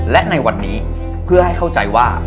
และในวันนี้เพื่อให้เข้าใจว่า